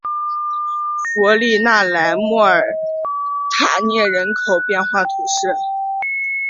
弗利讷莱莫尔塔涅人口变化图示